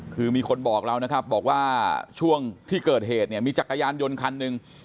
คือมีคนบอกเรานะครับบอกว่าช่วงที่เกิดเหตุเนี่ยมีจักรยานยนต์คันหนึ่ง